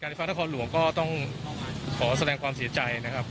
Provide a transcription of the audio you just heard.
ไฟฟ้านครหลวงก็ต้องขอแสดงความเสียใจนะครับ